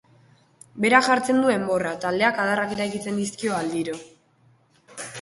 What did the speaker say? Berak jartzen du enborra, taldeak adarrak eraikitzen dizkio aldiro.